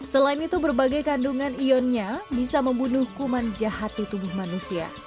selain itu berbagai kandungan ionnya bisa membunuh kuman jahat di tubuh manusia